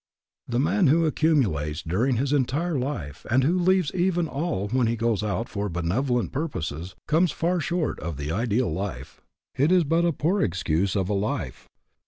The man who accumulates during his entire life, and who leaves even all when he goes out for "benevolent purposes," comes far short of the ideal life. It is but a poor excuse of a life.